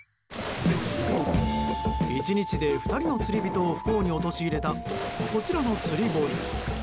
１日で２人の釣り人を不幸に陥れたこちらの釣り堀。